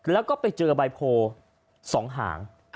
แล้วก็ไปเจอใบโพ๒หาง